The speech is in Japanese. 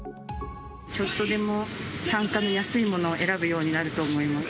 ちょっとでも単価の安いものを選ぶようになると思います。